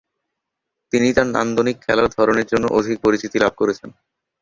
তিনি তার নান্দনিক খেলার ধরনের জন্য অধিক পরিচিতি লাভ করেছেন।